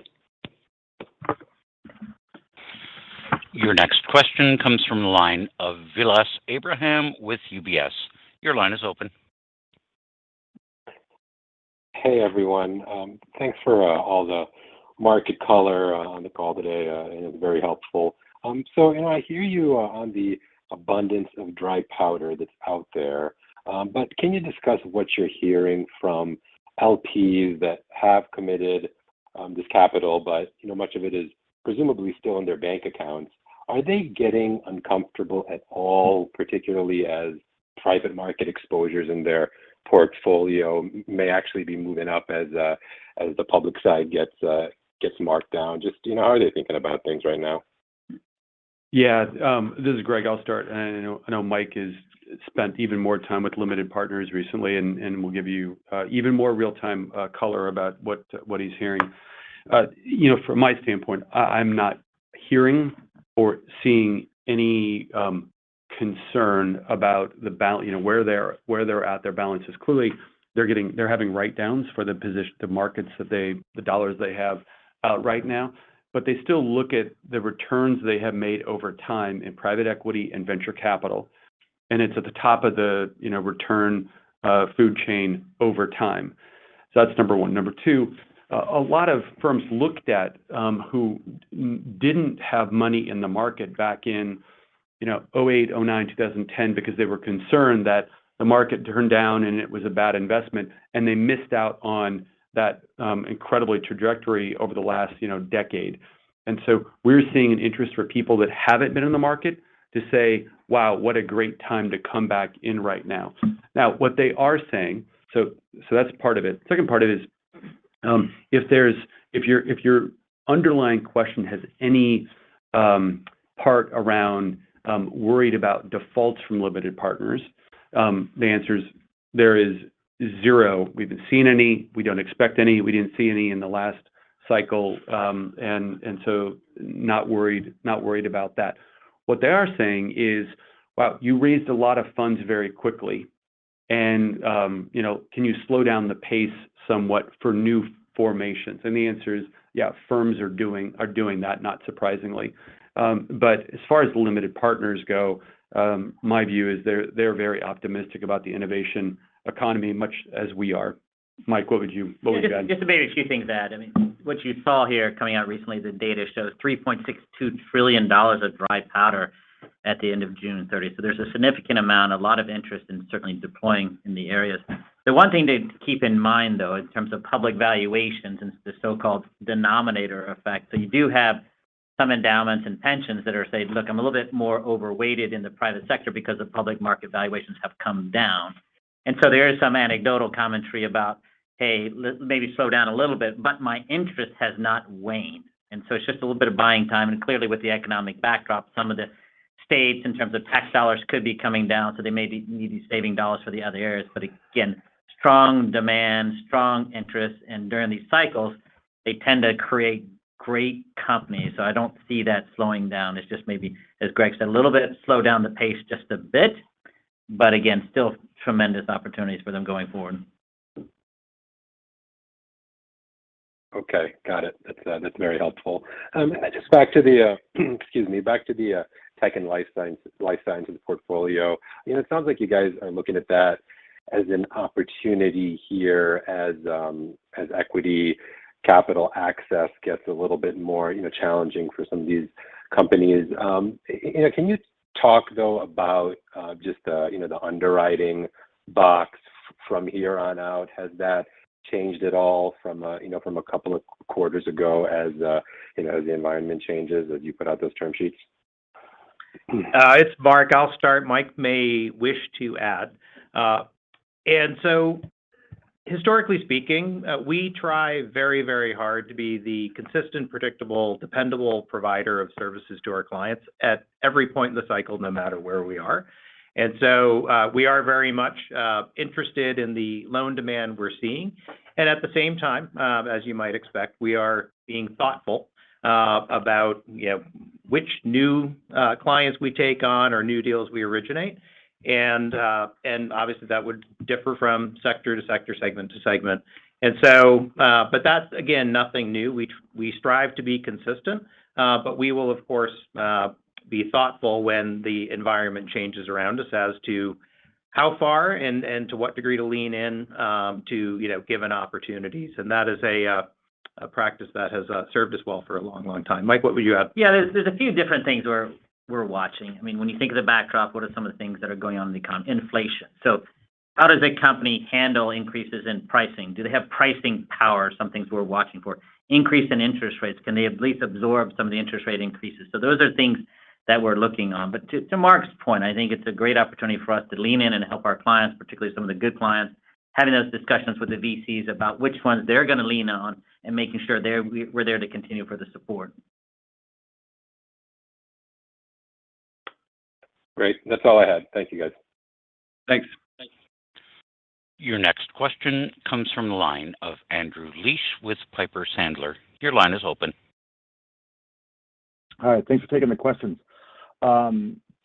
[SPEAKER 1] Your next question comes from the line of Vilas Abraham with UBS. Your line is open.
[SPEAKER 14] Hey, everyone. Thanks for all the market color on the call today. It is very helpful. You know, I hear you on the abundance of dry powder that's out there. Can you discuss what you're hearing from LPs that have committed this capital, but, you know, much of it is presumably still in their bank accounts. Are they getting uncomfortable at all, particularly as private market exposures in their portfolio may actually be moving up as the public side gets marked down? Just, you know, how are they thinking about things right now?
[SPEAKER 3] Yeah. This is Greg. I'll start. I know Mike has spent even more time with limited partners recently and will give you even more real-time color about what he's hearing. You know, from my standpoint, I'm not hearing or seeing any concern about the balance, you know, where they're at, their balances. Clearly, they're having write-downs for the markets that the dollars they have out right now. But they still look at the returns they have made over time in private equity and venture capital, and it's at the top of the, you know, return food chain over time. That's number one. Number two, a lot of firms looked at who didn't have money in the market back in, you know, 2008, 2009, 2010 because they were concerned that the market turned down and it was a bad investment and they missed out on that incredible trajectory over the last, you know, decade. We're seeing an interest for people that haven't been in the market to say, "Wow, what a great time to come back in right now." Now, what they are saying. That's part of it. Second part of it is, if your underlying question has any part around worried about defaults from limited partners, the answer is there is zero. We haven't seen any. We don't expect any. We didn't see any in the last cycle. Not worried about that. What they are saying is, "Wow, you raised a lot of funds very quickly, and, you know, can you slow down the pace somewhat for new formations?" The answer is, yeah, firms are doing that, not surprisingly. But as far as limited partners go, my view is they're very optimistic about the innovation economy much as we are. Mike, what would you add?
[SPEAKER 7] Yeah, just maybe a few things to add. I mean, what you saw here coming out recently, the data shows $3.62 trillion of dry powder at the end of June 30. There's a significant amount, a lot of interest in certainly deploying in the areas. The one thing to keep in mind, though, in terms of public valuations is the so-called denominator effect. You do have some endowments and pensions that are saying, "Look, I'm a little bit more overweighted in the private sector because the public market valuations have come down." There is some anecdotal commentary about, "Hey, let maybe slow down a little bit, but my interest has not waned." It's just a little bit of buying time. Clearly, with the economic backdrop, some of the states, in terms of tax dollars, could be coming down, so they maybe need these savings dollars for the other areas. Again, strong demand, strong interest, and during these cycles, they tend to create great companies. I don't see that slowing down. It's just maybe, as Greg said, a little bit slow down the pace just a bit. Again, still tremendous opportunities for them going forward.
[SPEAKER 14] Okay. Got it. That's very helpful. Just back to the tech and life sciences portfolio. You know, it sounds like you guys are looking at that as an opportunity here as equity capital access gets a little bit more, you know, challenging for some of these companies. You know, can you talk though about just the underwriting box from here on out? Has that changed at all from a couple of quarters ago as the environment changes, as you put out those term sheets?
[SPEAKER 8] It's Marc. I'll start. Mike may wish to add. Historically speaking, we try very, very hard to be the consistent, predictable, dependable provider of services to our clients at every point in the cycle, no matter where we are. We are very much interested in the loan demand we're seeing. At the same time, as you might expect, we are being thoughtful, you know, about which new clients we take on or new deals we originate. Obviously, that would differ from sector to sector, segment to segment. But that's, again, nothing new. We strive to be consistent, but we will, of course, be thoughtful when the environment changes around us as to how far and to what degree to lean in, you know, given opportunities. That is a practice that has served us well for a long, long time. Michael Descheneaux, what would you add?
[SPEAKER 7] Yeah, there's a few different things we're watching. I mean, when you think of the backdrop, what are some of the things that are going on in the econ? Inflation. How does a company handle increases in pricing? Do they have pricing power? Some things we're watching for. Increase in interest rates. Can they at least absorb some of the interest rate increases? Those are things that we're looking on. To Marc's point, I think it's a great opportunity for us to lean in and help our clients, particularly some of the good clients, having those discussions with the VCs about which ones they're gonna lean on and making sure we're there to continue for the support.
[SPEAKER 14] Great. That's all I had. Thank you, guys.
[SPEAKER 8] Thanks.
[SPEAKER 7] Thanks.
[SPEAKER 1] Your next question comes from the line of Andrew Liesch with Piper Sandler. Your line is open.
[SPEAKER 15] All right. Thanks for taking the question.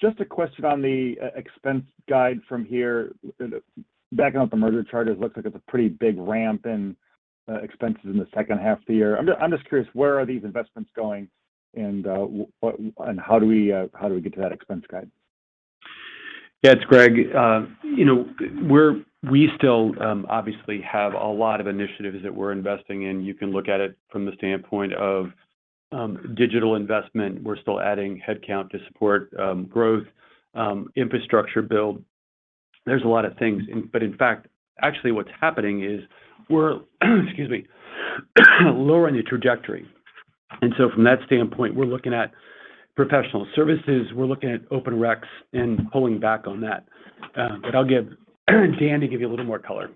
[SPEAKER 15] Just a question on the expense guide from here. Backing up the margin chart, it looks like it's a pretty big ramp in expenses in the second half of the year. I'm just curious, where are these investments going and how do we get to that expense guide?
[SPEAKER 3] Yeah, it's Greg. You know, we still obviously have a lot of initiatives that we're investing in. You can look at it from the standpoint of digital investment. We're still adding headcount to support growth, infrastructure build. There's a lot of things. In fact, actually what's happening is we're, excuse me, lowering the trajectory. From that standpoint, we're looking at professional services, we're looking at open recs and pulling back on that. I'll get Dan to give you a little more color.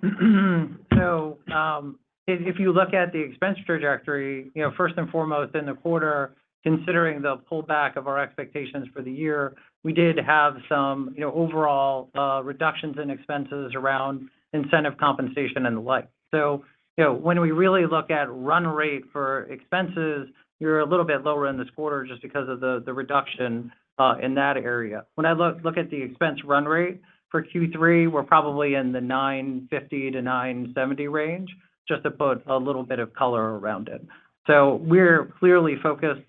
[SPEAKER 5] If you look at the expense trajectory, you know, first and foremost in the quarter, considering the pullback of our expectations for the year, we did have some, you know, overall, reductions in expenses around incentive compensation and the like. When we really look at run rate for expenses, we were a little bit lower in this quarter just because of the reduction in that area. When I look at the expense run rate for Q3, we're probably in the $950-$970 range, just to put a little bit of color around it. We're clearly focused,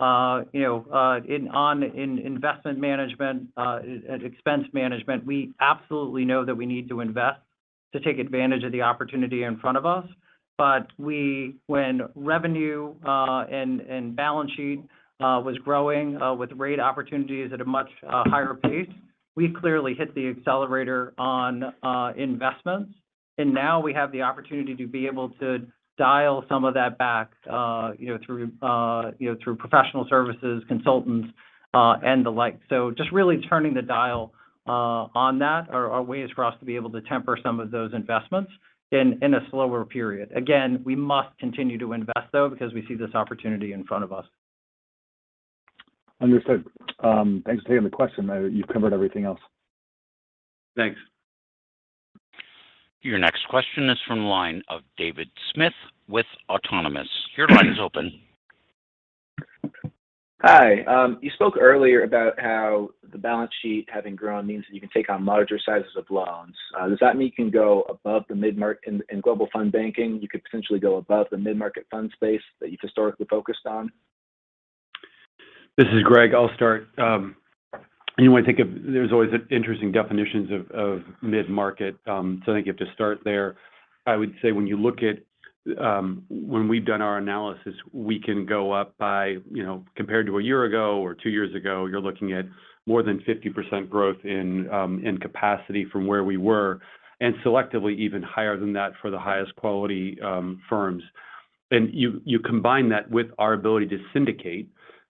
[SPEAKER 5] you know, on investment management and expense management. We absolutely know that we need to invest to take advantage of the opportunity in front of us. When revenue and balance sheet was growing with rate opportunities at a much higher pace, we clearly hit the accelerator on investments. Now we have the opportunity to be able to dial some of that back, you know, through, you know, through professional services, consultants and the like. Just really turning the dial on that are ways for us to be able to temper some of those investments in a slower period. Again, we must continue to invest, though, because we see this opportunity in front of us.
[SPEAKER 15] Understood. Thanks for taking the question. You've covered everything else.
[SPEAKER 3] Thanks.
[SPEAKER 1] Your next question is from the line of David Smith with Autonomous. Your line is open.
[SPEAKER 16] Hi. You spoke earlier about how the balance sheet having grown means that you can take on larger sizes of loans. Does that mean you can go above the mid-market in Global Fund Banking, you could potentially go above the mid-market fund space that you've historically focused on?
[SPEAKER 3] This is Greg. I'll start. There's always interesting definitions of mid-market. I think you have to start there. I would say when you look at when we've done our analysis, we can go up by, you know, compared to a year ago or two years ago, you're looking at more than 50% growth in capacity from where we were, and selectively even higher than that for the highest quality firms. You combine that with our ability to syndicate.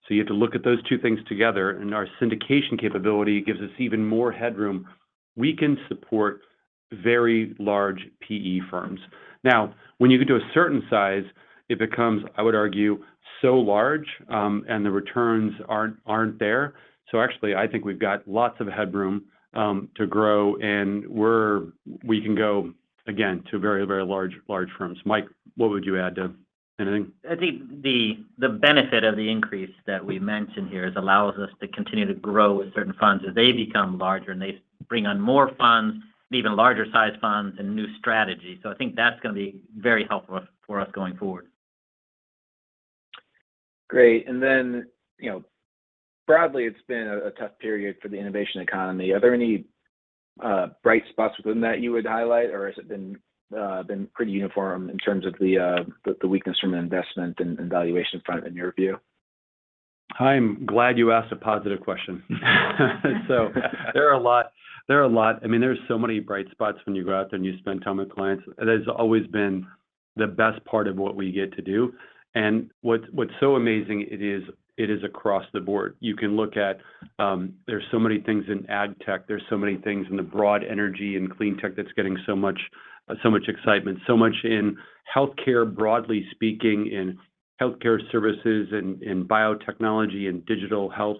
[SPEAKER 3] You have to look at those two things together, and our syndication capability gives us even more headroom. We can support very large PE firms. Now, when you get to a certain size, it becomes, I would argue, so large, and the returns aren't there. Actually, I think we've got lots of headroom to grow, and we can go, again, to very large firms. Mike, what would you add to anything?
[SPEAKER 7] I think the benefit of the increase that we mentioned here it allows us to continue to grow with certain funds as they become larger and they bring on more funds, even larger size funds and new strategies. I think that's going to be very helpful for us going forward.
[SPEAKER 16] Great. Then, you know, broadly, it's been a tough period for the innovation economy. Are there any bright spots within that you would highlight, or has it been pretty uniform in terms of the weakness from an investment and valuation front in your view?
[SPEAKER 3] I'm glad you asked a positive question. There are a lot, I mean, there are so many bright spots when you go out there and you spend time with clients. That has always been the best part of what we get to do. What's so amazing it is across the board. You can look at, there are so many things in AgTech, there are so many things in the broad energy and clean tech that's getting so much excitement. Much in healthcare, broadly speaking, in healthcare services, in biotechnology, in digital health.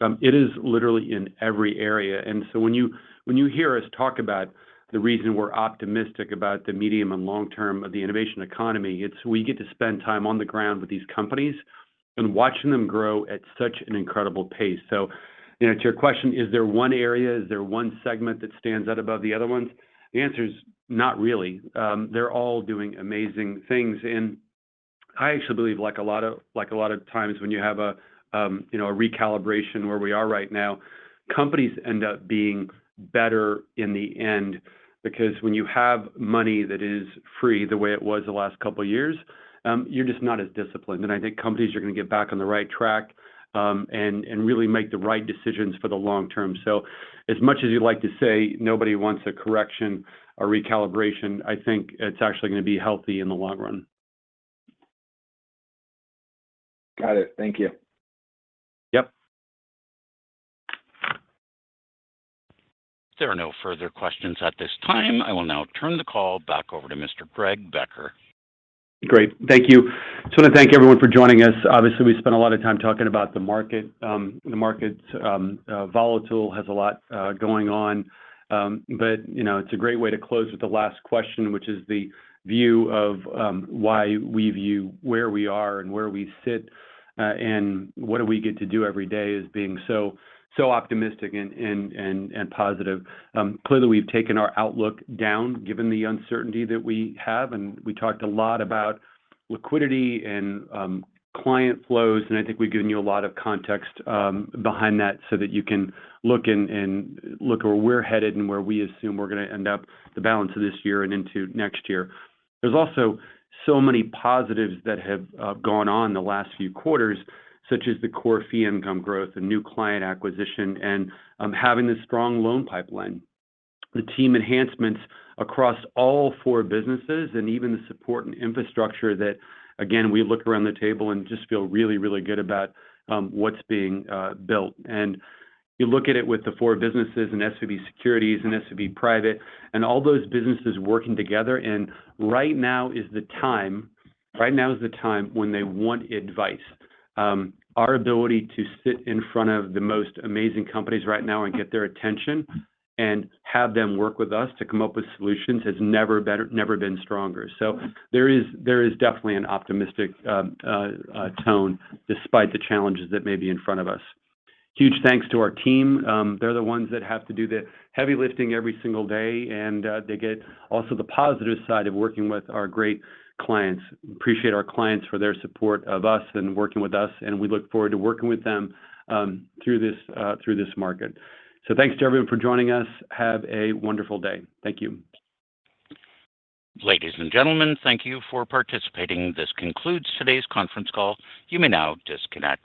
[SPEAKER 3] It is literally in every area. When you hear us talk about the reason we're optimistic about the medium and long term of the innovation economy, it's we get to spend time on the ground with these companies and watching them grow at such an incredible pace. You know, to your question, is there one area, is there one segment that stands out above the other ones? The answer is not really. They're all doing amazing things. I actually believe like a lot of times when you have a, you know, a recalibration where we are right now, companies end up being better in the end. Because when you have money that is free the way it was the last couple of years, you're just not as disciplined. I think companies are going to get back on the right track, and really make the right decisions for the long term. As much as you'd like to say, nobody wants a correction, a recalibration. I think it's actually going to be healthy in the long run.
[SPEAKER 17] Got it. Thank you.
[SPEAKER 3] Yep.
[SPEAKER 1] There are no further questions at this time. I will now turn the call back over to Mr. Greg Becker.
[SPEAKER 3] Great. Thank you. Just want to thank everyone for joining us. Obviously, we spent a lot of time talking about the market. The market, volatile, has a lot going on. You know, it's a great way to close with the last question, which is the view of why we view where we are and where we sit and what do we get to do every day as being so optimistic and positive. Clearly, we've taken our outlook down, given the uncertainty that we have, and we talked a lot about liquidity and client flows, and I think we've given you a lot of context behind that so that you can look and look where we're headed and where we assume we're going to end up the balance of this year and into next year. There's also so many positives that have gone on the last few quarters, such as the core fee income growth, the new client acquisition, and having this strong loan pipeline. The team enhancements across all four businesses and even the support and infrastructure that, again, we look around the table and just feel really, really good about what's being built. You look at it with the four businesses and SVB Securities and SVB Private and all those businesses working together. Right now is the time, right now is the time when they want advice. Our ability to sit in front of the most amazing companies right now and get their attention and have them work with us to come up with solutions has never been stronger. There is definitely an optimistic tone despite the challenges that may be in front of us. Huge thanks to our team. They're the ones that have to do the heavy lifting every single day, and they get also the positive side of working with our great clients. Appreciate our clients for their support of us and working with us, and we look forward to working with them through this market. Thanks to everyone for joining us. Have a wonderful day. Thank you.
[SPEAKER 1] Ladies and gentlemen, thank you for participating. This concludes today's conference call. You may now disconnect.